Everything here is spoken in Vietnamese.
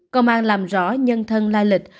công an làm rõ nhân thân la lịch